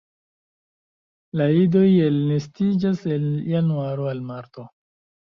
La idoj elnestiĝas el januaro al marto.